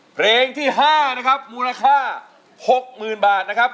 เพลงที่ห้านะครับมูลค่าหกหมื่นบาทนะครับ